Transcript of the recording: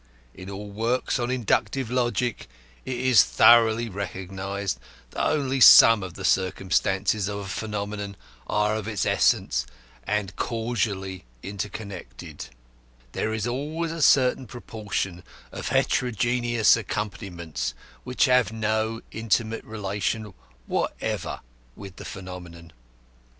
In all works on inductive logic it is thoroughly recognised that only some of the circumstances of a phenomenon are of its essence and casually interconnected; there is always a certain proportion of heterogeneous accompaniments which have no intimate relation whatever with the phenomenon.